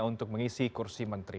untuk mengisi kursi menteri